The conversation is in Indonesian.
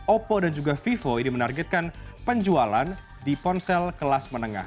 oppo dan juga vivo ini menargetkan penjualan di ponsel kelas menengah